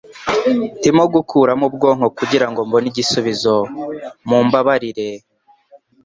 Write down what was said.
Ndimo gukuramo ubwonko kugirango mbone igisubizo. Mumbabarire,